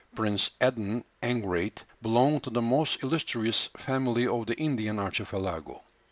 Prince Adden Engrate belonged to the most illustrious family of the Indian Archipelago.